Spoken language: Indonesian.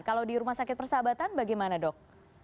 kalau di rumah sakit persahabatan bagaimana dok